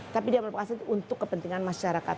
tapi dia memberi kasih untuk kepentingan masyarakat